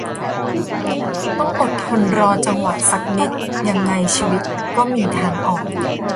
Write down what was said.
ต้องอดทนรอจังหวะสักนิดยังไงชีวิตก็มีทางออก